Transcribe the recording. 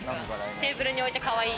テーブルに置いてかわいい。